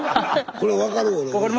これ分かる？